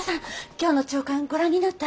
今日の朝刊ご覧になった？